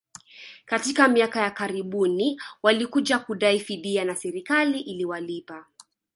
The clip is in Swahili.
katika miaka ya karibuni walikuja kudai fidia na serikali iliwalipa